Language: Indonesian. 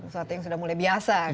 suatu yang sudah mulai biasa kan